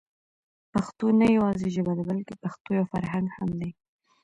پښتو نه يوازې ژبه ده بلکې پښتو يو فرهنګ هم دی.